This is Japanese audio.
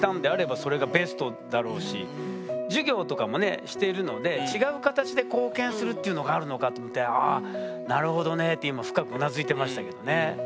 授業とかもねしてるので違う形で貢献するっていうのがあるのかと思ってああなるほどねって今深くうなずいてましたけどね。